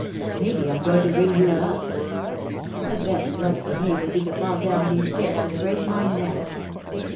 "Maybe I'm going to bring you luck." "The best luck for me would be to fall down these stairs and break my neck."